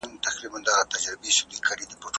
بزګر د خپل آس په زړورتیا باندې په حجره کې ویاړ وکړ.